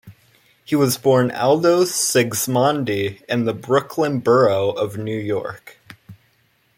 He was born Aldo Sigismondi in the Brooklyn borough of New York.